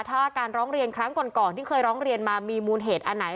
ถ้าการร้องเรียนครั้งก่อนที่เคยร้องเรียนมามีมูลเหตุอันไหน